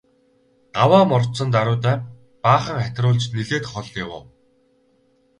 Гаваа мордсон даруйдаа баахан хатируулж нэлээд хол явав.